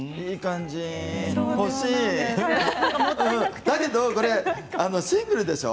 欲しいだけどこれシングルでしょう？